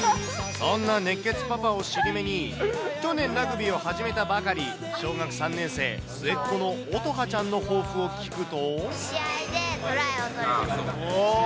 そんな熱ケツパパを尻目に、去年、ラグビーを始めたばかり、小学３年生、末っ子のおとはちゃんの抱負を聞くと。